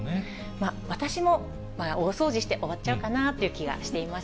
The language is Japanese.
私も大掃除して終わっちゃうかなって気がしています。